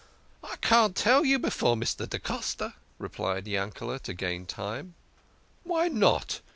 " I can't tell you before Mr. da Costa," replied Yankeld, to gain time. "Why not?